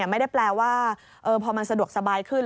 ไม่ได้แปลว่าพอมันสะดวกสบายขึ้น